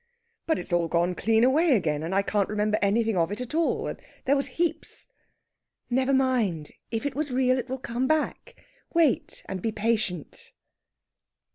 "But it's all gone clean away again! And I can't remember anything of it at all and there was heaps!" "Never mind! If it was real it will come back. Wait and be patient!"